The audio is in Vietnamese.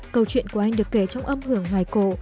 câu chuyện của anh được kể trong âm hưởng hoài cổ